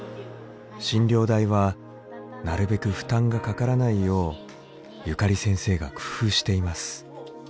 診療代はなるべく負担がかからないようゆかり先生が工夫しています。